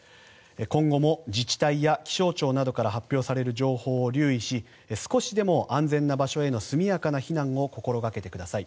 今後も自治体や気象庁などから発表される情報を留意し少しでも安全な場所への速やかな避難を心がけてください。